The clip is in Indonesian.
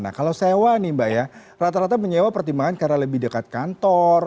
nah kalau sewa nih mbak ya rata rata menyewa pertimbangan karena lebih dekat kantor